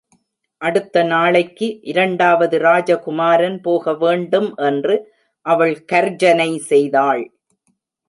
அடுத்த நாளைக்கு இரண்டாவது ராஜகுமாரன் போகவேண்டும் என்று அவள் கர்ஜனை செய்தாள்.